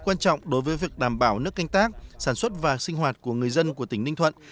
quan trọng đối với việc đảm bảo nước canh tác sản xuất và sinh hoạt của người dân của tỉnh ninh thuận